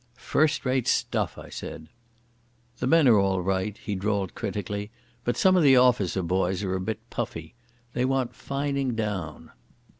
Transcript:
"First rate stuff," I said. "The men are all right," he drawled critically. "But some of the officer boys are a bit puffy. They want fining down."